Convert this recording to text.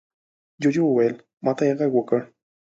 جوجو وويل: ما ته يې غږ وکړ.